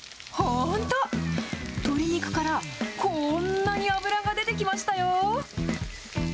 鶏肉からこんなに脂が出てきましたよ。